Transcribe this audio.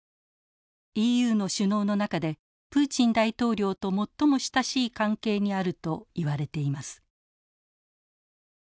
ＥＵの首脳の中でプーチン大統領と最も親しい関係にあるといわれています。